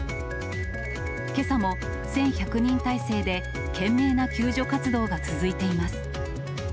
けさも１１００人態勢で懸命な救助活動が続いています。